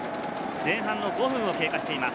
前半５分を経過しています。